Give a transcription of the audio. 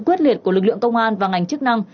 quyết liệt của lực lượng công an và ngành chức năng